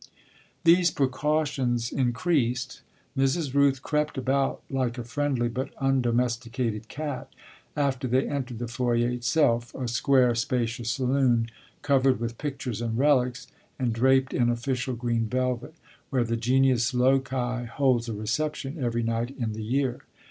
These precautions increased Mrs. Rooth crept about like a friendly but undomesticated cat after they entered the foyer itself, a square, spacious saloon covered with pictures and relics and draped in official green velvet, where the genius loci holds a reception every night in the year.